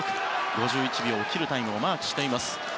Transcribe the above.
５１秒を切るタイムをマークしています。